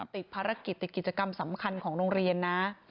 ติดภารกิจติดกิจกรรมสำคัญของโรงเรียนนะ